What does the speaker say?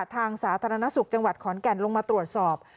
สาธารณสุขจังหวัดขอนแก่นลงมาตรวจสอบ